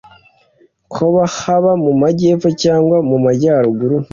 Ko haba mu majyepfo cyangwa mu majyaruguru